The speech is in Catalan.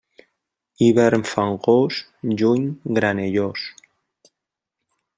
Hivern fangós, juny granellós.